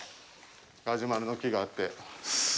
ガジュマルの木があって。